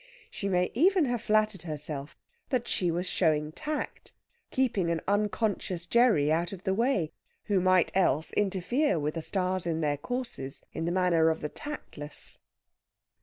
She may even have flattered herself that she was showing tact keeping an unconscious Gerry out of the way, who might else interfere with the stars in their courses, in the manner of the tactless.